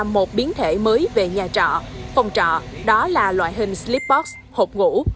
một biến thể mới về nhà trọ phòng trọ đó là loại hình slipposs hộp ngủ